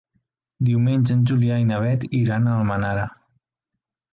Diumenge en Julià i na Beth iran a Almenara.